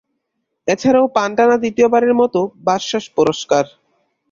এছাড়াও পান টানা দ্বিতীয়বারের মত বাচসাস পুরস্কার।